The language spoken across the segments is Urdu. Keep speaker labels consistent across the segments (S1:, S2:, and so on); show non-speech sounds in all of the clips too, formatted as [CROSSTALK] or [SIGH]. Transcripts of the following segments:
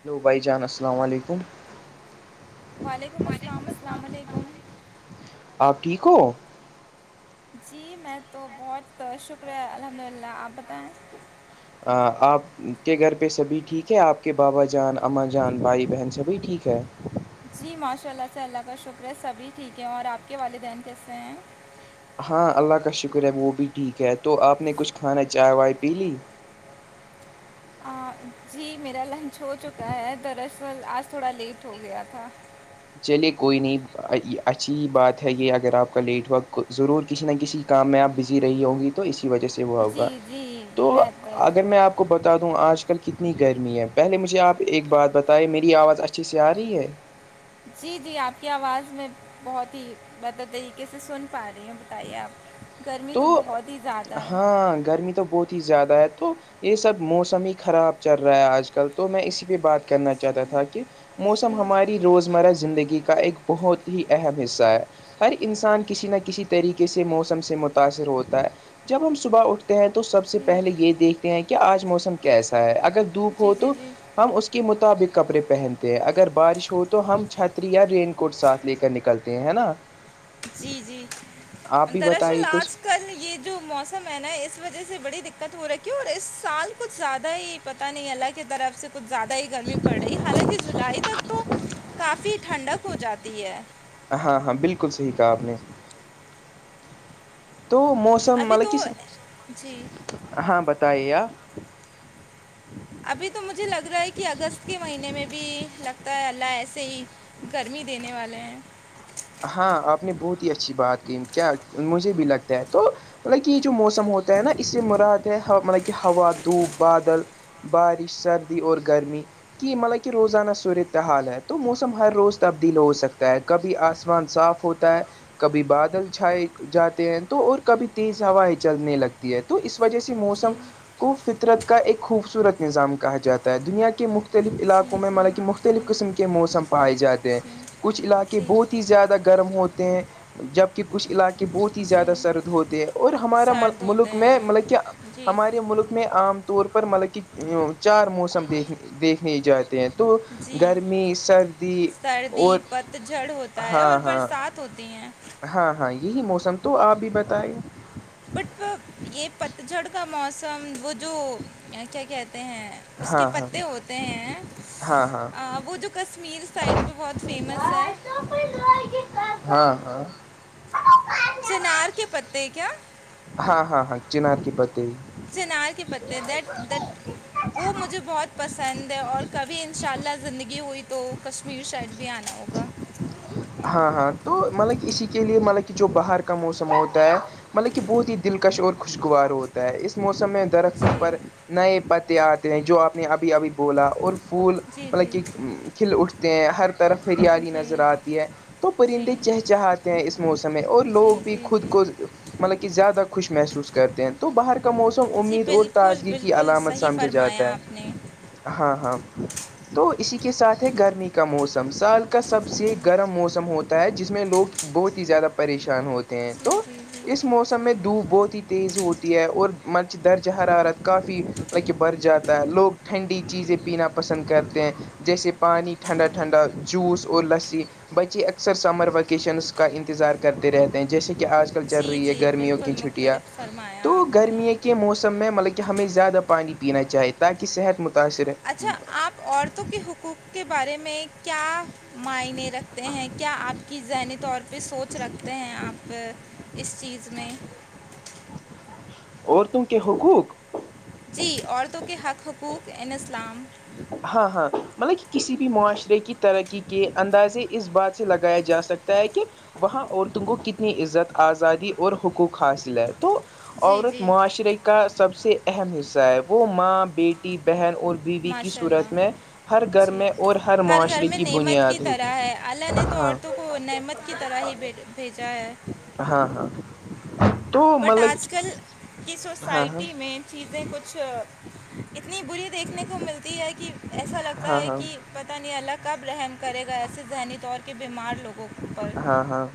S1: ہیلو بھائی جان السلام علیکم
S2: وعلیکم السلام السلام علیکم
S1: آپ ٹھیک ہو
S2: جی میں تو بہت شکریہ الحمد للہ آپ بتائیں
S1: آپ کے گھر پہ سبھی ٹھیک ہے آپ کے بابا جان اماں جان بھائی بہن سبھی ٹھیک ہے
S2: جی ماشاء اللہ سے اللہ کا شکر ہے سبھی ٹھیک ہیں اور آپ کے والدین کیسے ہیں
S1: ہاں اللہ کا شکر ہے وہ بھی ٹھیک ہے تو آپ نے کچھ کھانا چائے وائے پی لی
S2: جی میرا لنچ ہو چکا ہے دراصل آج تھوڑا لیٹ ہو گیا تھا
S1: چلیے کوئی نہیں اچھی بات ہے یہ اگر آپ کا لیٹ ہوا ضرور کسی نہ کسی کام میں آپ بزی رہی ہوں گی تو اسی وجہ سے وہ
S2: جی
S1: ہوگا
S2: جی
S1: تو
S2: بہتر
S1: اگر میں آپ آپ کو بتا دوں آج کل کتنی گرمی ہے پہلے مجھے آپ ایک بات بتائے میری آواز اچھی سے آ رہی ہے
S2: جی جی آپ کی آواز میں بہت ہی بہتر طریقے سے سن پا رہی ہوں بتائیے آپ گرمی
S1: تو
S2: بہت ہی زیادہ ہے
S1: ہاں گرمی تو بہت زیادہ ہے تو یہ سب موسم ہی خراب چل رہا ہے آج کل تو میں اسی پہ بات کر کرنا چاہتا تھا کہ
S2: جی
S1: موسم ہماری روزمرہ ز زندگی کا ایک بہت ہی اہم حصہ ہے ہر انسان کسی نہ کسی طریقے سے موسم سے متاثر ہوتا ہے جب ہم صبح اٹھتے ہیں تو سب سے
S2: جی جی
S1: پہلے یہ دیکھتے ہیں کہ کہ آج موسم کیسا ہے اگر دھوپ
S2: جی
S1: ہو
S2: جی
S1: تو
S2: جی
S1: ہم اس کے مطابق کپڑے پہنتے ہیں اگر بارش ہو تو ہم چھتری یا رین کوٹ ساتھ لے کر نکل نکلتے ہیں ہے نا
S2: جی جی
S1: آپ بھی بتائیے
S2: دراصل
S1: کچھ
S2: آج کل یہ جو موسم ہے نا اس وجہ سے بڑی دقت ہو رکھی اور اس سال کچھ زیادہ ہی پتا نہیں اللہ کہ طرف سے کچھ زیادہ ہی گرمی پڑ رہی حالانکہ جولائی تک تو کافی ٹھنڈک ہو جاتی ہے
S1: ہاں ہاں بالکل صحیح کہا آپ نے تو موسم
S2: ابھی
S1: مطلب
S2: تو
S1: کس
S2: جی
S1: ہاں بتائیے آپ
S2: ابھی تو مجھے لگ رہا ہے کہ اگست کے مہینے میں بھی لگتا ہے اللہ ایسے ہی گرمی دینے والے ہیں
S1: ہاں آپ نے بہت ہی اچھی بات کہ کیا مجھے بھی لگتا ہے تو مطلب کہ یہ جو موسم ہوتا ہے نا اس سے مراد ہے مطلب کہ ہوا دھوپ بادل بارش سردی اور گرمی کہ مطلب کہ روزانہ صورتحال ہے تو موسم ہر روز تبدیل ہو سکتا ہے کبھی آ آسمان صاف ہوتا ہے کبھی بادل چھائے جاتے ہیں تو اور کبھی تیز ہوائیں چلنے لگتی ہے تو اس وجہ سے
S2: جی
S1: موسم کو فطرت کا ایک خوبصورت نظام کہا جاتا ہے دنیا کے مختلف
S2: جی
S1: علاقوں میں
S2: جی
S1: مطلب کہ
S2: جی
S1: مختلف قسم کے موسم
S2: جی
S1: پائے جاتے ہیں
S2: جی
S1: کچھ علاقے
S2: جی
S1: بہت بہت ہی زیادہ گرم ہوتے ہیں جبکہ کچھ علاقے بہت ہی
S2: جی
S1: زیادہ سرد ہوتے ہیں اور ہمارا
S2: سرد ہوتے
S1: ملک میں
S2: ہیں
S1: مطلب کہ
S2: جی
S1: ہمارے ملک میں عام طور پر مطلب کہ چار موسم دیکھ دیکھنے جات ہیں تو
S2: جی
S1: گرمی سردی اور
S2: تو جڑ ہو
S1: ہاں ہاں ہاں ہاں یہی موسم تو آپ بھی بتائائے
S2: بٹ یہ پتجھڑ کا موسم وہ جو کیا کہتے ہیں اس کے
S1: ہاں ہاں
S2: پتے ہوتے ہیں
S1: ہاں ہاں
S2: وہ جو کشمیر سائڈ پہ بہت فیمس ہے
S1: ہاں ہاں
S2: چنار کے پتے کیا
S1: ہاں ہاں ہاں چنار کی پتے ہی
S2: سےنار کے پتے د دٹ وہ مجھے بہت پسند ہے اور کبھی ان شاء اللہ زندگی ہوئی تو کشمیر سائڈ بھی آنا ہوگا
S1: ہاں ہاں تو مطلب کہ اسی کے لیے مطلب کہ جو باہر کا موسم ہوتا ہے مطلب کہ بہت ہی دلکش اور خوشگوار ہوتا ہے اس موسم میں درخت
S2: جی
S1: پر نئے پتے آتے ہیں جو آپ نے ابھی ابھی بولا اور پھول
S2: جی
S1: مطلب
S2: جی
S1: کہ کھل اٹھتے ہیں ہر طرف ہریالی
S2: جی
S1: نظر آتی ہے تو
S2: جی
S1: پرندے چہچہاتے ہیں اس موسم میں اور لوگ
S2: جی
S1: بھی
S2: جی
S1: خود
S2: جی
S1: کو مطلب کہ زیادہ خوش محسوس کرتے ہیں تو باہر کا موسم
S2: جی
S1: امید اور
S2: بالکل
S1: تازگی کی
S2: بالکل
S1: علامت
S2: صحیح
S1: سمجھا جاتا
S2: فرمایا آپ
S1: ہے
S2: نے
S1: ہاں ہاں تو اسی کے ساتھ ہے گرمی کا موسم سمسال کا
S2: جی
S1: سب سے
S2: جی
S1: گرم موسم ہوتا ہے جس میں لوگ بہت ہی زیادہ پریشان ہوتے ہیں تو
S2: جی جی
S1: اس موسم
S2: جی
S1: میں دھوپ بہت ہی تیز ہوتی ہے اور مرچ درج حرارت کافی کہ بر جاتا ہے لوگ ٹھنڈی چیزیں پینا پسند کرتے ہیں جیسے پانی ٹھنڈا ٹھنڈا جوس اور لسی بچے اکثر سمر ویکیشنس کا انتظار کرتے رہتے ہیں جیسے کہ آج کل چل
S2: جی
S1: رہی ہے
S2: جی
S1: گرمیوں کی
S2: بالکل
S1: چھٹیاں
S2: مختلف فرمایا
S1: تو
S2: آپ نے
S1: گرمییا ک موسم میں مطلب کہ ہمیں زیادہ پانی پینا چاہیے تاکہ صحت متاثر
S2: اچھا آپ عورتوں کے حقوق کے بارے میں کیا معنے رکھتے ہیں کیا آپ کی ذہنی طور پہ سوچ رکھتے ہیں آپ اس چیز میں
S1: اور تم کے حقوق
S2: جی عورتوں کے حق حقوق این اسلام
S1: ہاں ہاں مطلب کہ کسی بھی معاشرے کی ترقی کے اندازے اس بات سے لگایا جا سکتا ت ہے کہ وہاں عورتوں کو کتنی عزت آزادی اور حقوق حاصل ہے تو
S2: جی
S1: عورت
S2: جی
S1: معاشرے کا سب سے اہم حصہ ہے وہ ماں بیٹی بہن اور بیو و کی
S2: ماشاء
S1: صورت
S2: اللہ
S1: میں ہر گھر
S2: جی
S1: میں اور ہر
S2: گھر
S1: معاشرے
S2: میں
S1: کی
S2: نعمت کی
S1: بنیاد ہوتی
S2: طرح ہے اللہ نے
S1: ہاں
S2: تو عورتوں کو نعمت کی طرح ہی بھی بھیجا ہے
S1: ہاں ہاں تو
S2: بٹ آج
S1: مطلب
S2: کل کی
S1: ہاں ہاں
S2: سوسائٹی میں چیزیں کچھ اتنی بری دیکھنے کو ملتی ہے کہ ایسا لگتا
S1: ہاں
S2: ہے
S1: ہاں
S2: کہ پتہ نہیں اللہ کب رحم کرے گا ایسے ذہنی طور کے بیمار لوگوں پر
S1: ہاں ہاں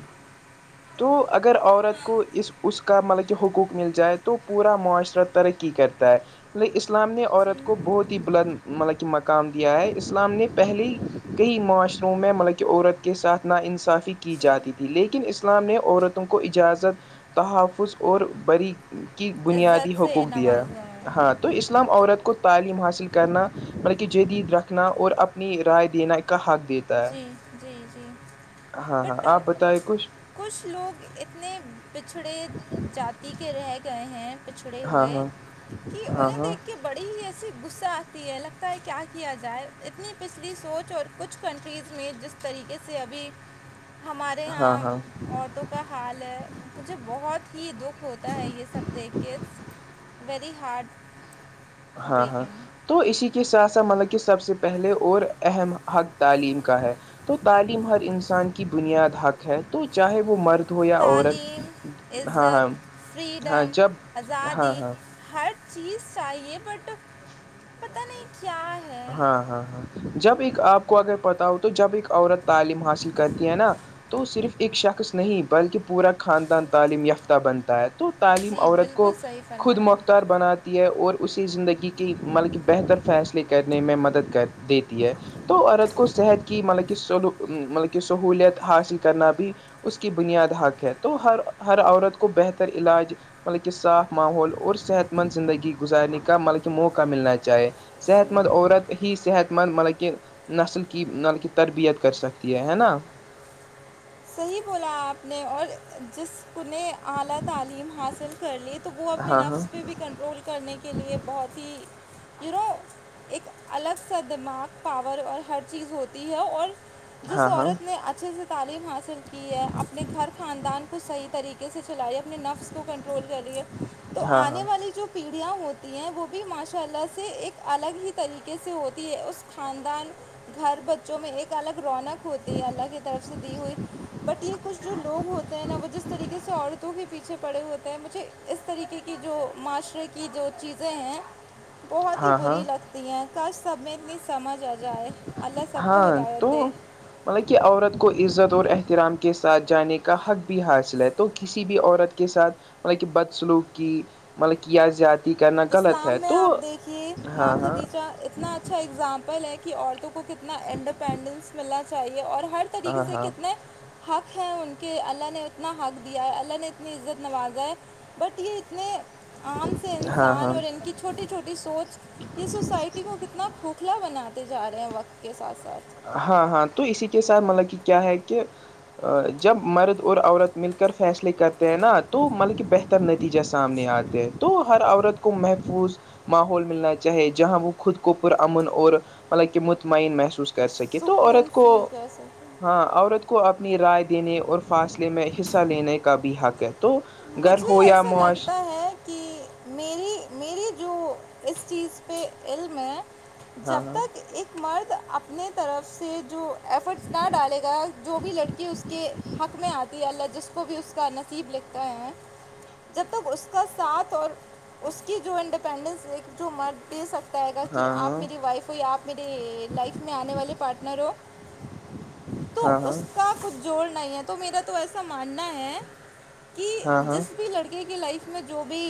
S1: تو اگر عورت کو اس اس کا مطلب کہ حقوق مل جائے تو پورا معاشرہ ترقی کرتا ہے اسلام نے
S2: جی
S1: عورت کو بہت ہی بلند مطلب کہ مقام دیا ہے اسلام نے پہلے کئی معاشروں میں ملبک عورت کے ساتھ نا انصافی کی
S2: جی
S1: جاتی تھی لیکن اسلام نے عورتوں کو اجازت تحفظ اور بری کی بنیادی
S2: عزت سے
S1: حقوق دیا
S2: نوازا ہے
S1: ہاں تو اسلام عورت کو تعلیم حاصل کرنا مطلب کہ ج عید رکھنا اور اپنی رائے دینا ایک کا حق دتے
S2: جی جی جی
S1: ہاں ہاں آپ
S2: بٹ
S1: بتائی
S2: کچھ لوگ اتنے پچھڑے جتی کے رہ گئے ہیں پچھڑے
S1: ہاں
S2: ہوئے
S1: ہاں ہاں
S2: انہیں
S1: ہاں
S2: دیکھ کہ بڑی ہی ایسی غصہ آتی ہے لگتا ہے کیا کیا جائے اتنی پچھلی سوچ اور کچھ کنٹریز میں جس طریقے سے ابھی ہمارے
S1: ہاں
S2: یہاں
S1: ہاں
S2: عورتوں کا حال ہے مجھے بہت ہی دکھ ہوتا ہے یہ سب دیکھ کے ویری ہارڈ
S1: ہاں ہاں تو اسی کے ساتھ ساتھ مطلب کہ سب سے پہلے اور اہم حق تعلیم کا ہے تو تعلیم ہر انسان کی بنیاد حق ہے تو چاہے وہ مرد ہو یا عورت
S2: تعلیم
S1: ہاں ہاں
S2: عزت
S1: ہاں
S2: فریڈم
S1: جب ہاں
S2: آزادی
S1: ہاں
S2: ہر چیز چاہیے بٹ پت نہیں کیا ہے
S1: ہاں ہاں ہاں جب ایک آپ کو اگر پتا ہو تو جب ایک عورت تعلیم حاصل کرتی ہے نا تو صرف ایک شخص نہیں بلکہ پورا خاندان تعلیم یافتہ بنتا ہے تو تعلیم
S2: جی
S1: عورت کو
S2: بالکل صحیح
S1: خود
S2: فرمایا
S1: مخت ار بناتی ہے اور اسی زندگی کے ملب کہ بہتر فیصلے کرنے میں مدد کر دیتی ہے تو عورت کو صحت کی مطلب کہ مطلب کہ سہوولت حاصل کرنا بھی اس کی بنیاد حق ہے تو ہر ہر عورت کو بہتر علاج مطلب کہ صاف ماحول اور صحت مند زندگی گزارنے کا مطلب کہ موقع ملنا چاہے صحت صحت مند عورت ہی صحت مند مطلب کہ نسل کی مطلب کی تربیت کر سکتی ہے نا
S2: [UNINTELLIGIBLE] کر لیے تو وہ اپنے
S1: ہاں
S2: نفس پہ بھی کنٹرول کرنے کے لیئے بہت ہی ی نو ایک الگ سا دماغ پاور اور ہر چیز ہوتی ہے اور جس
S1: ہاں ہاں ہاں
S2: عورت نے اچھے سے تعلیم کی ہے اپنے گھر خاندان کو صحیح طریقے سے چلے نفس کو کنٹرول کر لیا تو
S1: ہاں ہاں
S2: آنے والی جو پیڑھیاں ہوتی ہیں وہ بھی ماشاء اللہ سے ایک الگ ہی طریقے سے ہوتی ہے اس خاندان گھر بچوں میں ایک الگ رونق ہوتی ہے اللہ کی طرف سے دی ہوئی بٹ یہ کچھ جو لوگ ہوتے ہیں نا وہ جس طریقے سے عورتوں کے پیچھے پڑے ہوتے ہیں مجھے اس طریقے کی جو معاشرے کی جو چیزیں ہیں
S1: ہ
S2: بہت ہی بری لگتی ہیں کش سب میں اتنی سمجھ آ جائے اللہ سب کو
S1: ہاں
S2: ہدایت
S1: تو
S2: دے
S1: مطلب کہ عورت کو عزت اور احترام کے ساتھ جانے کا حق بھی حاصل ہے تو کسی بھی عورت کے ساتھ مطلب کہ بدسلوک کی مطلب کہ یا زیاد
S2: اسلام میں آپ دیکھیے ماں
S1: ہاں ہاں
S2: خدی کا اتنا اچھا اگزامپل ہے کہ عورتوں کو کتنا انڈیپینڈنس ملنا چاہیے اور ہر طریقے
S1: ہاں
S2: سے
S1: ہاں
S2: کتنے حق ہیں ان کے اللہ نے اتنا حق دیا ہے اللہ نے اتنی عزت نواز ہے بٹ یہ اتنے عام سے
S1: ہاں
S2: انسان
S1: ہاں
S2: اور ان کی چھوٹی چھوٹی سوچ یہ سوسائٹی کو کتنا کھوکھلا بناتے جا رہے ہیں وقت کے ساتھ ساتھ
S1: ہاں ہاں تو اسی کے ساتھ مطلب کہ کیا ہے کہ جب مرد اور عورت مل کر فیصلے کرتے ہیں نا تو مطلب کہ بہتر نتیجہ سامنے آتے ہیں تو ہر عورت کو محفوظ ماحول ملنا چاہے جہاں وہ خود کو پرامن اور مطلب کہ مطمئن محسوس کر سکے تو
S2: سکون
S1: عورت کو
S2: فیل کر سکتے ہیں
S1: ہاں عورت کو اپنی رائے دینے اور فاصلے میں حصہ لینے کا بھی حق ہے تو گھر
S2: مجھے
S1: ہو یا
S2: ایسا
S1: معاش
S2: لگتا ہے کہ میری میری جو اس چیز پہ علم ہے جب
S1: ہاں
S2: تک ایک مرد اپنے طرف سے جو ایفرٹس نہ ڈالے گا جو بھی لڑکی اس کے حق میں آتی ہے اللہ جس وہ بھی اس کا نصیب لکھتا ہے جب تک اس کا ساتھ اور اس کی جو انڈیپنڈنس ایک جو مرد دے سکتا ہے گا کہ
S1: ہاں
S2: آپ
S1: ہاں
S2: میری وائف ہو یا آپ میری لائف میں آنے والے پاٹنر ہو تو
S1: ہاں ہاں
S2: اس کا کچھ جوڑنا ہی ہے تو میرا تو ایسا ماننا ہے کہ
S1: ہاں ہاں
S2: جس بھی لڑکے کی لائف میں جو بھی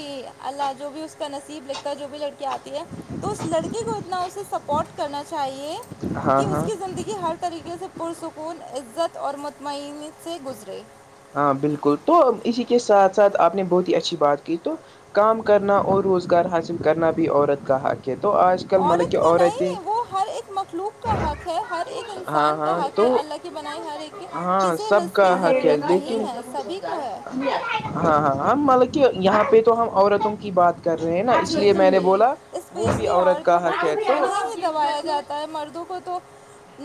S2: ال جو بھی اس کا نصیب لگتا ہے جو بھی لک آتی ہے تو اس لڑکے کو اتنا اسے سپورٹ کرنا چاہیے
S1: ہاں
S2: کہ اس
S1: ہاں
S2: کی زندگی ہر طریقے سے پرسکون عزت اور مطمئن سے گزرے
S1: ہاں بالکل تو اسی کے ساتھ ساتھ آپ نے بہت ہی اچھی بات کی تو کام کرنا اور روزگار حاصل کرنا بھی عورت کا حق ہے کہ تو آج کل مطلب
S2: عورت
S1: کہ
S2: کا نہیں
S1: عورتیں
S2: ہے وہ ہر ایک مخلوق کا حق ہے ہر ایک
S1: ہاں
S2: انسان کا
S1: ہاں
S2: حق
S1: تو
S2: ہے الگ بنائی ہر ایک
S1: ہاں
S2: کسی
S1: سب
S2: رسک
S1: کا
S2: کی
S1: حق ہے
S2: ضرورت
S1: لیکن
S2: نہیں ہے سبھی کو ہے
S1: ہاں ہاں ہم مطلب کہ یہاں پہ تو ہم عورتوں کی بات کر رہے ہیں نا اس
S2: جی
S1: لیے
S2: جی
S1: میں نے
S2: جی
S1: بولا وہ بھی
S2: اسپیشلی
S1: عورت کا
S2: عورتوں کو
S1: حق ہے
S2: کیونکہ انہیں ہی دبایا جاتا
S1: تو
S2: ہوتا ہے مردوں کو تو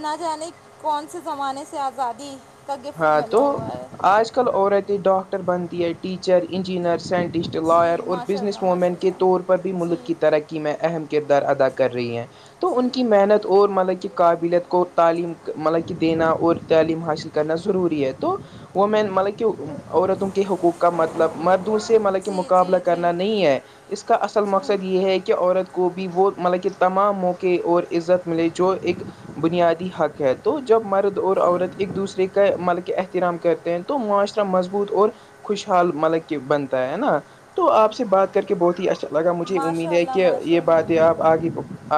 S2: نہ جانے کون سے زمانے سے آزادی کا گفٹ
S1: ہاں تو
S2: ملا ہوا ہے
S1: آج کل عورتیں ڈاکٹر بنتی ہے ٹیچر انجینئر سائ سٹ لاائر
S2: جی
S1: اور
S2: ماشاء
S1: بزنس
S2: اللہ
S1: وومن
S2: ماشاء
S1: کے طور پر بھی
S2: اللہ جی
S1: ملک کی ترقی میں اہم کردار ادا کر رہی ہیں تو
S2: جی
S1: ان کی محنت اور مطلب کہ قابلیت کو تعلیم مطلب کہ دینا اور تعلیم حاصل کرنا ضروری ہے تو وہ مین مطلب کہ عورتوں کے حقوق کا مطلب مردوں سے مطلب کہ
S2: جی
S1: مقابلہ
S2: جی جی
S1: کرنا نہیں ہے اس کا اصل
S2: جی
S1: مقصد یہ ہے کہ عورت کو بھی وہ مطلب کہ تمام موقع اور عزت ملے جو ایک بنیادی حق ہے تو جب مرد اور
S2: جی
S1: عورت ایک دوسرے کے کا مطلب کہ احترام کرتے ہیں تو معاشرہ مضبوط اور خوشحال مطلب کہ بنتا ہے نا تو آپ سے بات کر کے بہت ہی اچھا لگا مجھے امید
S2: ماشاء
S1: ہے
S2: اللہ
S1: کہ
S2: ماشاء
S1: یہ
S2: اللہ
S1: باتیں آپ آگے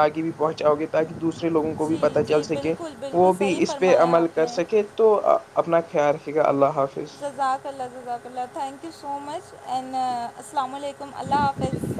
S1: آگے بھی پہنچاؤ گے تاکہ دوسرے لوگوں کو بھی
S2: جی
S1: پتہ چل
S2: جی
S1: سکے
S2: بالکل بالکل
S1: وہ بھی
S2: صحیح
S1: اس پہ
S2: فرمایا
S1: عمل
S2: آپ
S1: کر
S2: نے
S1: سکے تو اپنا خیال ٹھیک ہے اللہ حافظ
S2: [UNINTELLIGIBLE]